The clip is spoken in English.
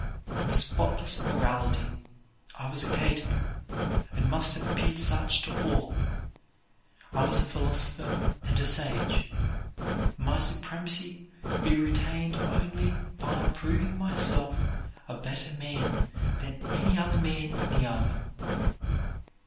In spotless morality I was a Cato, and must have appeared such to all. I was a philosopher and a sage. My supremacy could be retained only by proving myself a better man than any other man in the army.